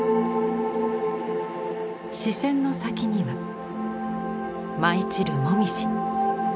視線の先には舞い散る紅葉。